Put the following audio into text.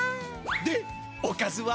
でおかずは？